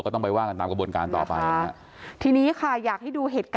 ก็ต้องไปว่างกันตามกระบวนการต่อไป